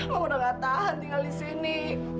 mama udah nggak tahan tinggal di sini